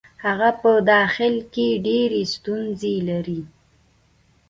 هغه په داخل کې ډېرې ستونزې لري.